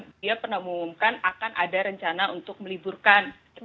dia pernah mengumumkan akan ada rencana untuk meliburkan